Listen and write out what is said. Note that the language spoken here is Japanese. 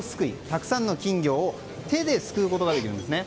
たくさんの金魚を手ですくうことができるんですね。